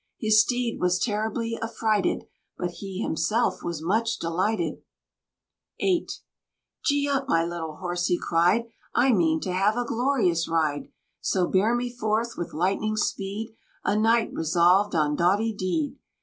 His steed was terribly affrighted, But he himself was much delighted. VIII. "Gee up, my little horse!" he cried, "I mean to have a glorious ride; So bear me forth with lightning speed, A Knight resolved on doughty deed.